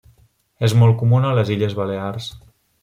És molt comuna a les Illes Balears.